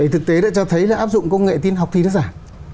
thực tế đã cho thấy là áp dụng công nghệ tin học thì nó giảm